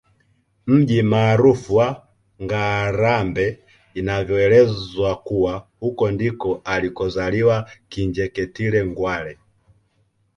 Mji maarufu wa Ngarambe inavyoelezwa kuwa huko ndiko alikozaliwa Kinjeketile Ngwale